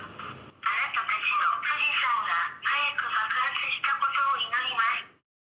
あなたたちの富士山が早く爆発したことを祈ります。